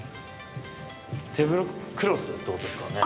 テーブルクロスってことですかね。